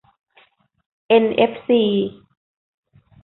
เอ็นเอฟซี